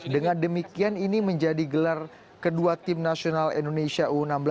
dengan demikian ini menjadi gelar kedua tim nasional indonesia